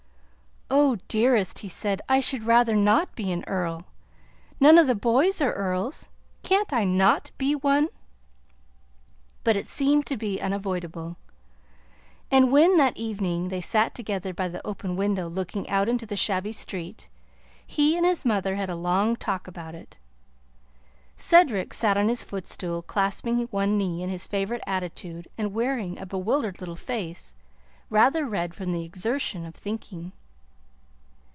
"Oh! Dearest!" he said, "I should rather not be an earl. None of the boys are earls. Can't I NOT be one?" But it seemed to be unavoidable. And when, that evening, they sat together by the open window looking out into the shabby street, he and his mother had a long talk about it. Cedric sat on his footstool, clasping one knee in his favorite attitude and wearing a bewildered little face rather red from the exertion of thinking.